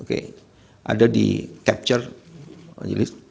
oke ada di capture majelis